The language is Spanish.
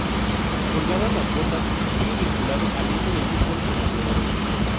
Colgadas las botas, sigue vinculado al mundo del fútbol como entrenador.